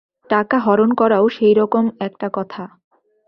টাকা হরণ করাও সেইরকম একটা কথা।